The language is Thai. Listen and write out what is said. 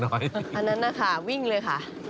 อันนั้นนะคะวิ่งเลยค่ะ